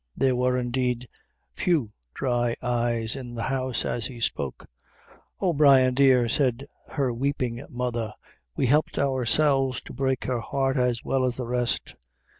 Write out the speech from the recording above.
There were, indeed, few dry eyes in the house as he spoke. "Oh, Brian dear," said her weeping mother, "we helped ourselves to break her heart, as well as the rest.